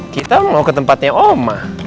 kita mau ke tempatnya oma